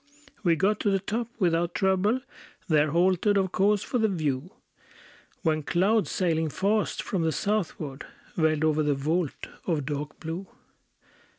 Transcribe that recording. We got to the top without trouble; There halted, of course, for the view; When clouds, sailing fast from the southward, Veiled over the vault of dark blue.